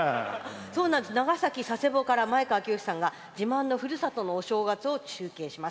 長崎・佐世保から前川清さんが自慢のふるさとのお正月を中継します。